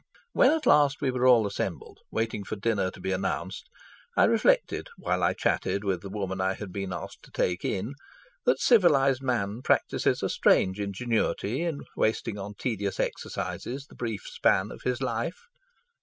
When at last we were all assembled, waiting for dinner to be announced, I reflected, while I chatted with the woman I had been asked to "take in," that civilised man practises a strange ingenuity in wasting on tedious exercises the brief span of his life.